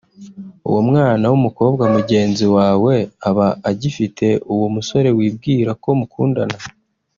uwo mwana w’umukobwa mugenzi wawe aba agifite uwo musore wibwira ko mukundana